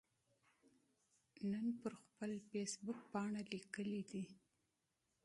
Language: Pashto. نن پر خپله فیسبوکپاڼه لیکلي دي